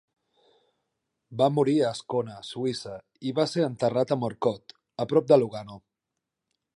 Va morir a Ascona, Suïssa, i va ser enterrat a Morcote, a prop de Lugano.